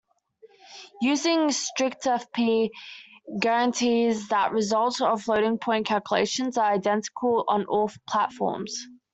Using strictfp guarantees that results of floating-point calculations are identical on all platforms.